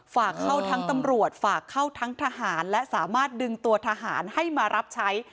ฝากเข้าทั้งตำรวจฝากเข้าทั้งทหารและสามารถดึงตัวทหารให้มารับใช้